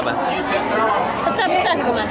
pecah pecah juga mas